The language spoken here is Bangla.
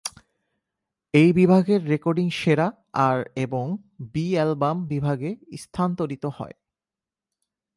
এই বিভাগের রেকর্ডিং সেরা আর এবং বি অ্যালবাম বিভাগে স্থানান্তরিত হয়।